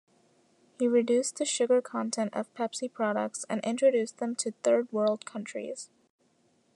He reduced the sugar content of Pepsi products and introduced them to third-world countries.